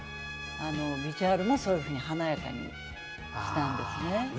衣装もそういうふうに華やかにしたんです。